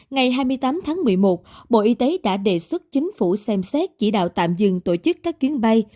ngày hai mươi tám tháng một mươi một bộ y tế đã đề xuất chính phủ xem xét chỉ đạo tạm dừng tổ chức các chuyến bay